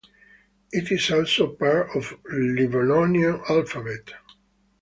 It is also a part of the Livonian alphabet.